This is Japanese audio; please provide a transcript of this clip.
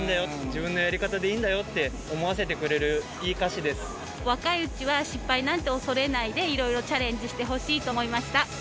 自分のやり方でいいんだよって思若いうちは失敗なんて恐れないで、いろいろチャレンジしてほしいと思いました。